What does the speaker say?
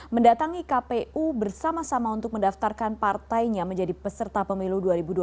mendatangi kpu bersama sama untuk mendaftarkan partainya menjadi peserta pemilu dua ribu dua puluh